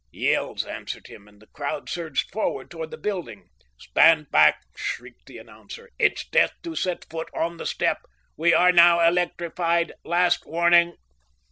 Yells answered him, and the crowd surged forward toward the building. "Stand back!" shrieked the announcer. "It's death to set foot on the step. We are now electrified. Last warning!"